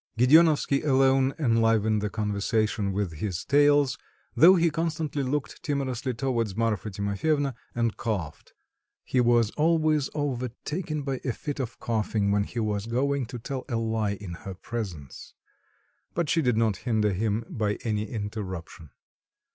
Gedeonovsky alone enlivened the conversation with his tales, though he constantly looked timorously towards Marfa Timofyevna and coughed he was always overtaken by a fit of coughing when he was going to tell a lie in her presence but she did not hinder him by any interruption.